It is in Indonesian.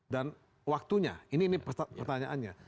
dan waktunya ini pertanyaannya